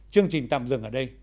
chương trình tạm dừng ở đây